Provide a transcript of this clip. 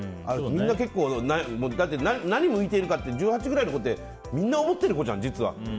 みんな、何を見ているかって１８ぐらいの子ってみんな思ってるじゃん、実は。